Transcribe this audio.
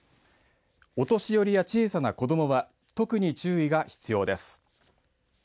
お年寄りや小さな子どもは特に注意が必要です。